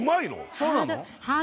そうなの？